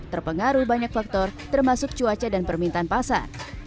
terpengaruh banyak faktor termasuk cuaca dan permintaan pasar